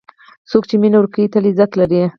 څوک چې مینه ورکوي، تل عزت لري.